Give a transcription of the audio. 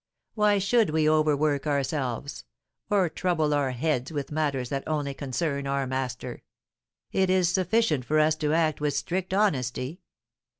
Why should we overwork ourselves, or trouble our heads with matters that only concern our master? It is sufficient for us to act with strict honesty.